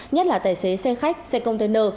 nhất là tài xế xe khách xe container